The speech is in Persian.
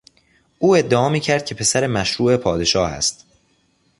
او ادعا میکرد که پسر مشروع پادشاه است.